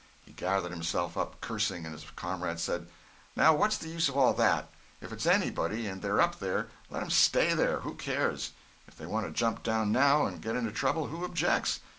He gathered himself up cursing, and his comrade said: "Now what's the use of all that? If it's anybody, and they're up there, let them stay there—who cares? If they want to jump down, now, and get into trouble, who objects?